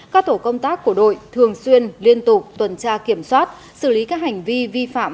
các tổ công tác của đội thường xuyên liên tục tuần tra kiểm soát xử lý các hành vi vi phạm